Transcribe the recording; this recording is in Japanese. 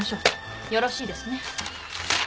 よろしいですね？